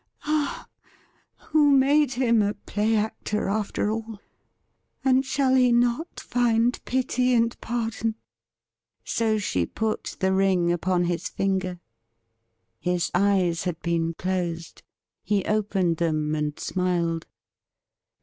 Ah, who made him a play actor, after all ? and shall he not find pity and pardon ?' So she put the ring upon his finger. His eyes had been closed. He opened them and smiled.